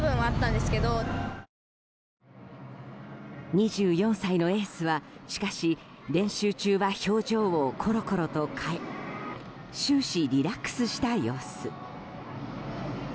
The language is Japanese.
２４歳のエースはしかし、練習中は表情をころころと変え終始リラックスした様子。